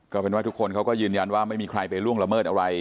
ก็เป็นว่าทุกคนเขาก็ยืนยันว่าไม่มีใครไปล่วงละเมิดอะไร